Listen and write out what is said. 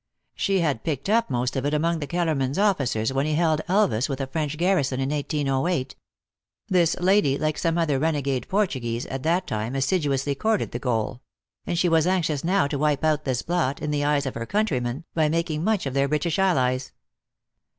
She had picked up most of it among Keller man s offi cers, when he held Elvas with a French garrison in 1S08. This lady, like some other renegade Portu guese, at that time assiduously courted the Gaul ; and she was anxious now to wipe out this blot, in the eyes of 256 THE ACTEESS IN HIGH LIFE. her countrymen, by making much of their British allies.